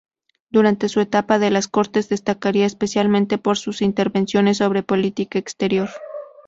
Durante su etapa en las Cortes destacaría especialmente por sus intervenciones sobre política exterior.